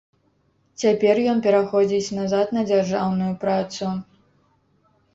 Цяпер ён пераходзіць назад на дзяржаўную працу.